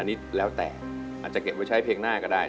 อันนี้แล้วแต่อาจจะเก็บไว้ใช้เพลงหน้าก็ได้